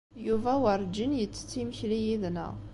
Yuba werǧin yettett imekli yid-neɣ.